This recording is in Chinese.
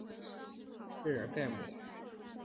贝尔盖姆。